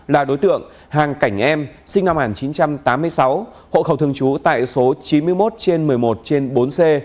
là đối tượng hàng cảnh em sinh năm một nghìn chín trăm tám mươi sáu hộ khẩu thường trú tại số chín mươi một trên một mươi một trên bốn c